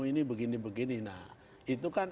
ini begini begini nah itu kan